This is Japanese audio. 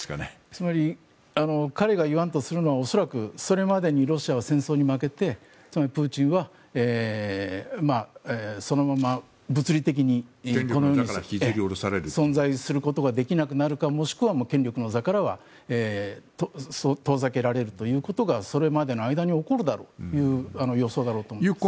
つまり彼が言わんとするのは恐らくそれまでにロシアは戦争に負けてプーチンはそのまま物理的に存在することができなくなるかもしくは権力の座から遠ざけられるということがそれまでの間に起こるだろうという予想だと思います。